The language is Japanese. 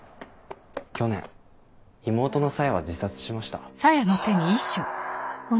去年妹の沙耶は自殺しました。